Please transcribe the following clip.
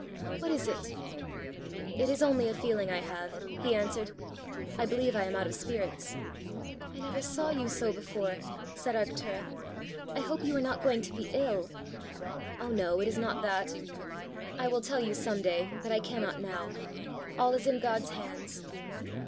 What is it?" "It is only a feeling I have," he answered. "I believe I am out of spirits." "I never saw you so before!" said Arctura. "I hope you are not going to be ill." "Oh, no; it is not that! I will tell you some day, but I cannot now. All is in God's hands!"